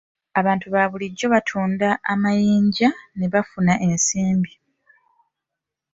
Abantu ba bulijjo batunda amayinja ne bafuna ensimbi.